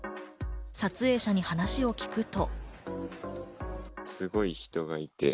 撮影者に話を聞くと。